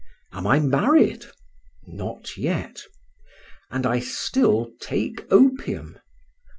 Am I married? Not yet. And I still take opium?